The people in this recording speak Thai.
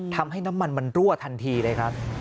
ทำให้น้ำมันมันรั่วทันทีเลยครับ